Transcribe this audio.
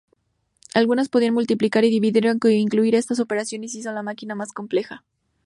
Algunas podían multiplicar y dividir, aunque incluir estas operaciones hizo la máquina más compleja.